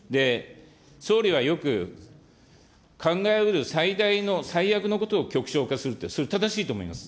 総理はよく、考えうる最大の、最悪のことを極小化するって、それ正しいと思います。